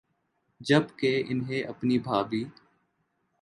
جب کہ انہیں اپنی بھابھی